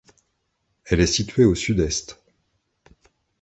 Elle est située au sud Est.